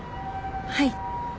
はい。